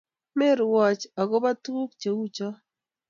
Merwochi agoba tuguk cheucho